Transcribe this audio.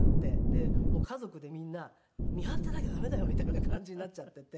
でもう家族でみんな見張ってなきゃダメだよみたいな感じになっちゃってて。